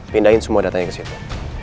pindahin semua datanya ke situ